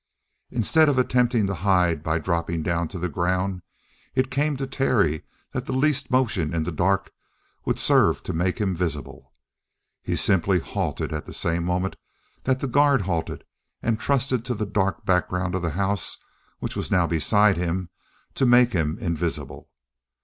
Instead of attempting to hide by dropping down to the ground, it came to Terry that the least motion in the dark would serve to make him visible. He simply halted at the same moment that the guard halted and trusted to the dark background of the house which was now beside him to make him invisible.